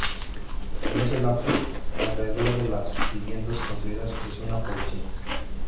En ese lapso alrededor de las viviendas construidas, creció una población.